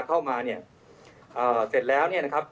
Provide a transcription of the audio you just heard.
เข้ามาเนี่ยเสร็จแล้วเนี่ยนะครับ